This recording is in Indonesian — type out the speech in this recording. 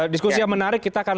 diskusi yang menarik kita akan